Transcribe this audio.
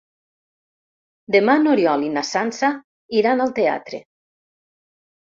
Demà n'Oriol i na Sança iran al teatre.